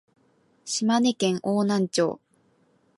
島根県邑南町